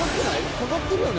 掛かってるよね